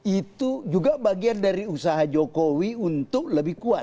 itu juga bagian dari usaha jokowi untuk lebih kuat